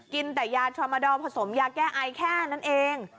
กินแต่ยาทรามาดอลผสมยาแก้ไอแค่นั้นเอง